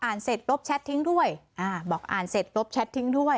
เสร็จลบแชททิ้งด้วยอ่าบอกอ่านเสร็จลบแชททิ้งด้วย